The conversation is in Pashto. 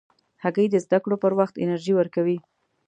هګۍ د زده کړو پر وخت انرژي ورکوي.